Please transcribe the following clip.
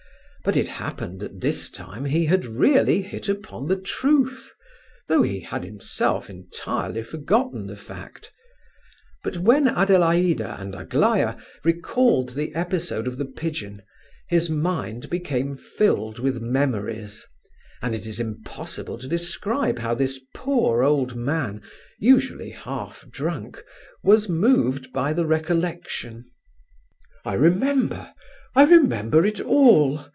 But it happened that this time he had really hit upon the truth, though he had himself entirely forgotten the fact. But when Adelaida and Aglaya recalled the episode of the pigeon, his mind became filled with memories, and it is impossible to describe how this poor old man, usually half drunk, was moved by the recollection. "I remember—I remember it all!"